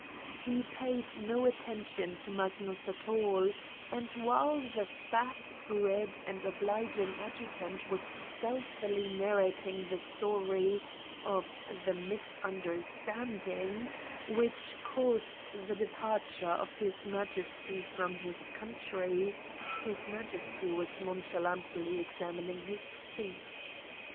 He paid no attention to Magnus at all, and 180 Satan's Diary while the fat, red and obliging adjutant was stealthily narrating the story of the "misunder standing" which caused the departure of His Majesty from his country His Majesty was non chalantly examining his feet.